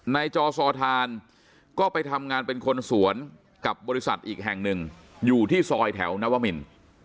จอซอทานก็ไปทำงานเป็นคนสวนกับบริษัทอีกแห่งหนึ่งอยู่ที่ซอยแถวนวมิน